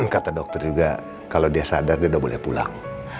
kata dokter juga kalau dia sadar dia sudah boleh pulang